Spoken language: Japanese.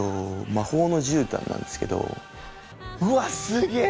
魔法のじゅうたんなんですけどうわすげー！